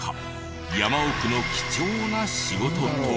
山奥の貴重な仕事とは？